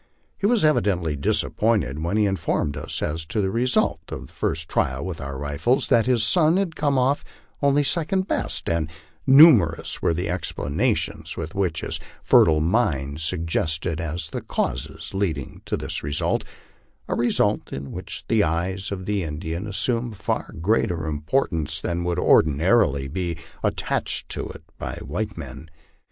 He was evidently disappointed when informed as to the result of the first trial with our rifles, that his son had come off only second best ; and numerous were the explana tions which his fertile mind suggested as the causes leading to this result a result which in the eyes of the Indian assumed far greater importance than would ordinarily be attached to it by white men.